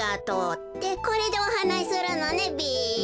ってこれでおはなしするのねべ。